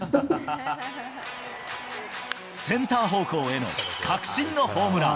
センター方向への確信のホームラン。